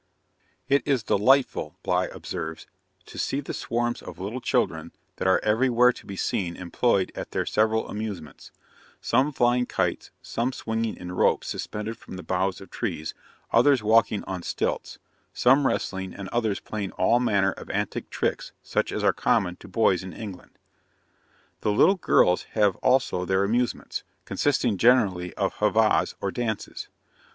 'It is delightful,' Bligh observes, 'to see the swarms of little children that are every where to be seen employed at their several amusements; some flying kites, some swinging in ropes suspended from the boughs of trees, others walking on stilts, some wrestling, and others playing all manner of antic tricks such as are common to boys in England. The little girls have also their amusements, consisting generally of heivahs or dances.